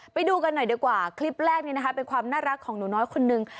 ไปดูกันหน่อยดีกว่าคลิปแรกนี้นะคะเป็นความน่ารักของหนูน้อยคนนึง